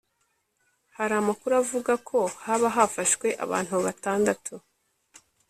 Hari amakuru avuga ko haba hafashwe abantu batandatu